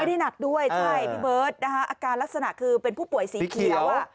ไม่ได้หนักด้วยใช่พี่เบิร์ตอาการลักษณะคือเป็นผู้ป่วยสีเขียว